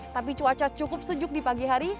tapi cuaca cukup sejuk di pagi hari